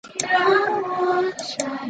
上关町是位于山口县东南部的一町。